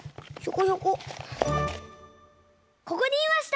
ここにいました！